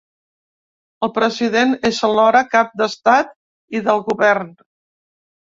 El president és alhora cap de l'estat i del govern.